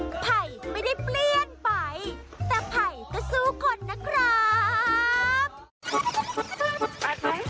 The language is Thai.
ไผ่ไม่ได้เปลี่ยนไปแต่ไผ่ก็สู้คนนะครับ